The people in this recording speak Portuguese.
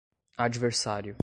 adversário